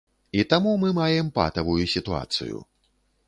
І таму мы маем патавую сітуацыю.